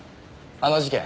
あの事件